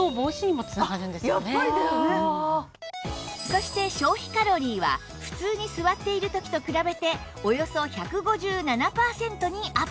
そして消費カロリーは普通に座っている時と比べておよそ１５７パーセントにアップ